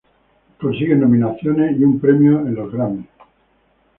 Consiguen nominaciones y un premio en los Grammy.